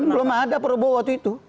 belum ada prabowo waktu itu